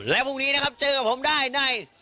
และพรุ่งนี้นะครับเจอกับผมได้ใน